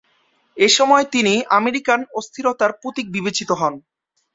এসময় তিনি আমেরিকান অস্থিরতার প্রতীক বিবেচিত হতেন।